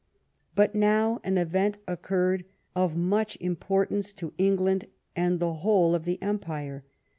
But now an event occurred of much importance to England and the whole of the Empire.